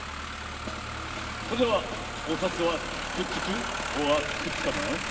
それではおさつはくっつくｏｒくっつかない？